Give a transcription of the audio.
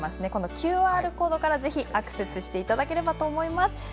ＱＲコードからぜひアクセスしていただければと思います。